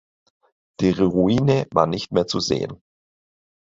Die Ruine war nicht mehr zu sehen.